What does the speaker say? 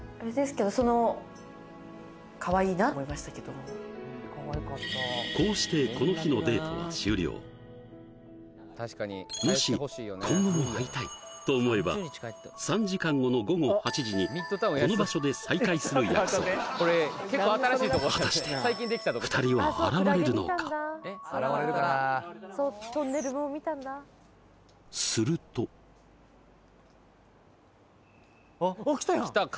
何かそのこうしてこの日のデートは終了もし今後も会いたいと思えば３時間後の午後８時にこの場所で再会する約束果たしてするとおっ来たやん！